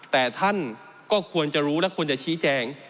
แต่ท่านก็ควรจะรู้และควรจะชี้แจง